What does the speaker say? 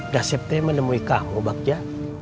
dasyep t menemui kamu bagja